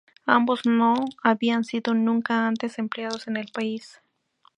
Ambos no habían sido nunca antes empleados en el país.